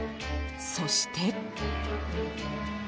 そして。